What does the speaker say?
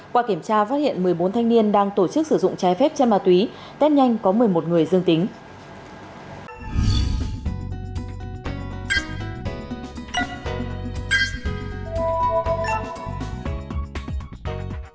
qua kiểm tra phát hiện một mươi bốn thanh niên đang tổ chức sử dụng trái phép chân ma túy test nhanh có một mươi một người dương tính